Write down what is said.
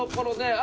あ！